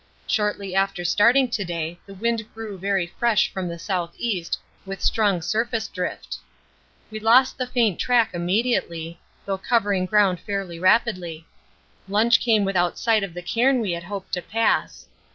Shortly after starting to day the wind grew very fresh from the S.E. with strong surface drift. We lost the faint track immediately, though covering ground fairly rapidly. Lunch came without sight of the cairn we had hoped to pass.